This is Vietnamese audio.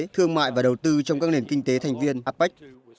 thương mại và đầu tư trong các nền kinh tế thành viên apec